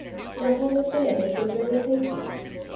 The whole affair has been very hasty.